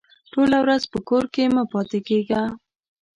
ټوله ورځ په کور کې مه پاته کېږه!